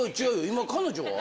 今彼女は？